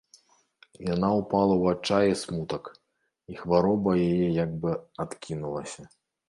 Яна ўпала ў адчай і смутак, і хвароба яе як бы адкінулася.